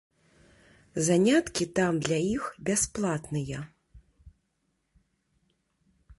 Заняткі там для іх бясплатныя.